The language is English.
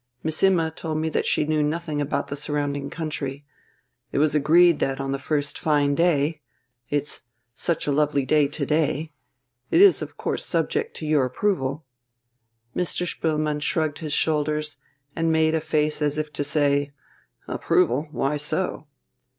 Miss Imma told me that she knew nothing about the surrounding country. It was agreed that on the first fine day ... It's such a lovely day to day.... It is of course subject to your approval...." Mr. Spoelmann shrugged his shoulders, and made a face as if to say: "Approval why so?"